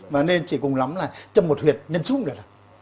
và nên chỉ cùng lắm là châm một huyệt nhân súng được